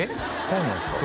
そうなんですか？